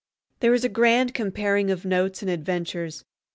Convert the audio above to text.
There is a grand comparing of notes and adventures.